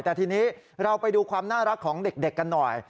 แต่ทีนี้เราไปดูความน่ารักของเด็กกันหน่อย